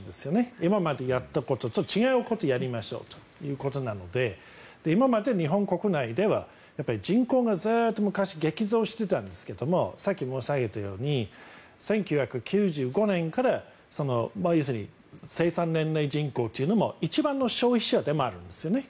今までやったことと違うことをやりましょうということなので今まで日本国内では人口がずっと昔、激増していたんですがさっき申し上げたように１９９５年から要するに生産年齢人口というのは一番の消費者でもあるんです。